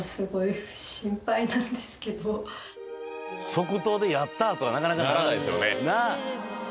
即答で「やったぁ」とはなかなかならないですよねなぁ！